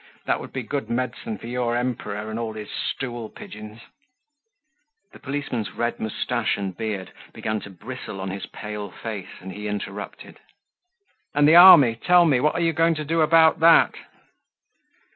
That would be good medicine for your Emperor and all his stool pigeons." The policeman's red mustache and beard began to bristle on his pale face and he interrupted: "And the army, tell me, what are you going to do about that?"